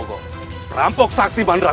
kau belum tahu siapa kau berteriak teriak di wilayah